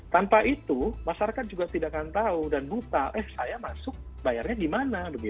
tanpa itu masyarakat juga tidak akan tahu dan buta eh saya masuk bayarnya gimana